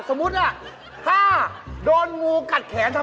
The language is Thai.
สุดยอดอะ